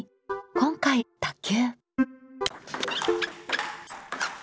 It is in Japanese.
今回は「卓球」。